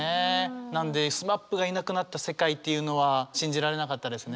なんでＳＭＡＰがいなくなった世界っていうのは信じられなかったですね。